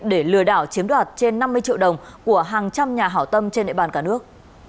để lừa đảo chiếm đoạt trên năm mươi triệu đồng của hàng trăm nhà hảo tâm trên địa bàn cả nước